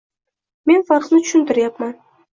Men farqni tushuntiryapman.